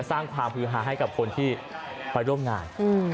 สร้างความฮือฮาให้กับคนที่ไปร่วมงาน